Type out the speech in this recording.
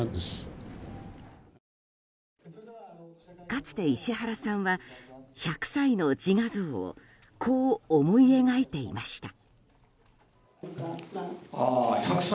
かつて石原さんは１００歳の自画像をこう思い描いていました。